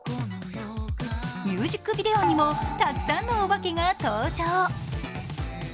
ミュージックビデオにもたくさんのお化けが登場。